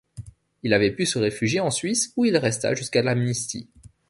Il avait pu se réfugier en Suisse où il resta jusqu'à l'amnistie.